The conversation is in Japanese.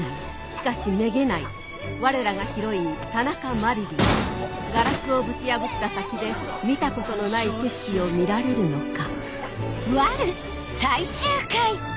しかしメゲないわれらがヒロイン田中麻理鈴ガラスをぶち破った先で見たことのない景色を見られるのか？